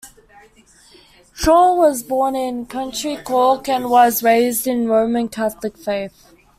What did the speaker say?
Shaw was born in County Cork and was raised in the Roman Catholic faith.